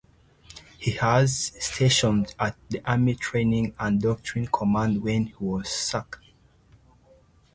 He was stationed at the Army Training and Doctrine Command when he was sacked.